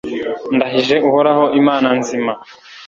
ndahije uhoraho imana nzima